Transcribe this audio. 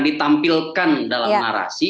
ditampilkan dalam narasi